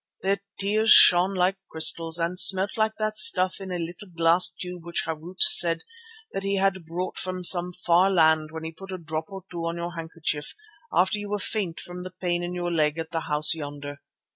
Their tears shone like crystals and smelt like that stuff in a little glass tube which Harût said that he brought from some far land when he put a drop or two on your handkerchief, after you were faint from the pain in your leg at the house yonder.